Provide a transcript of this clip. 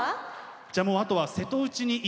じゃあもうあとは瀬戸内に行って頂いて。